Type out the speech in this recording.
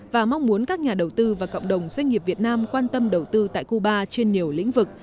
và cộng đồng doanh nghiệp việt nam quan tâm đầu tư tại cuba trên nhiều lĩnh vực